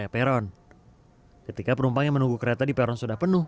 peron ketika penumpang yang menunggu kereta di peron sudah penuh